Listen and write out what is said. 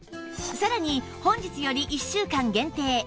さらに本日より１週間限定